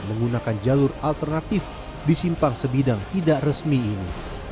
menggunakan jalur alternatif di simpang sebidang tidak resmi ini